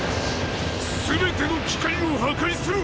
全ての機械を破壊する！